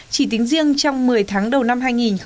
chỉ tính riêng trong một mươi tháng đầu năm hai nghìn một mươi sáu